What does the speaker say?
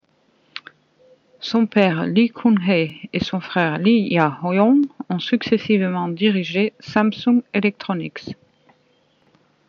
Son père Lee Kun-hee et son frère Lee Jae-yong ont successivement dirigé Samsung Electronics.